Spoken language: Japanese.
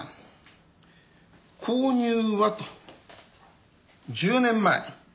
購入はと１０年前。